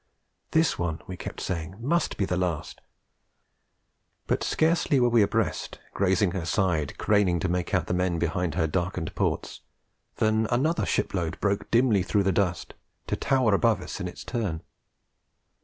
This one, we kept saying, must be the last; but scarcely were we abreast, grazing her side, craning to make out the men behind her darkened ports, than another ship load broke dimly through the dust, to tower above us in its turn.